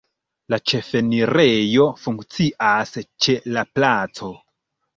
La ĉefenirejo funkcias ĉe la placo.